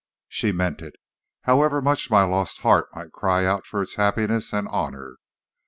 "She meant it, however much my lost heart might cry out for its happiness and honor.